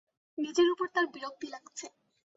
নিজের ওপর তাঁর বিরক্তি লাগছে।